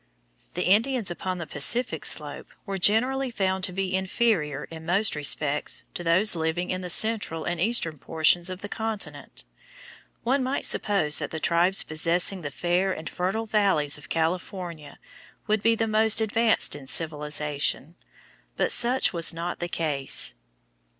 The Indians upon the Pacific slope were generally found to be inferior in most respects to those living in the central and eastern portions of the continent. One might suppose that the tribes possessing the fair and fertile valleys of California would be the most advanced in civilization, but such was not the case.